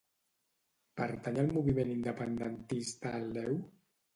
Pertany al moviment independentista el Leo?